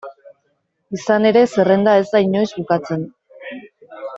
Izan ere, zerrenda ez da inoiz bukatzen.